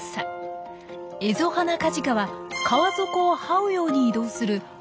エゾハナカジカは川底をはうように移動する泳ぎの苦手な魚です。